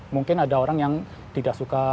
mungkin ada orang yang tidak suka